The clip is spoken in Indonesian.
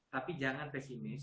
tapi jangan pesimis